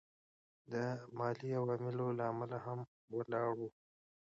د مالي عواملو له امله هم ولاړه وه.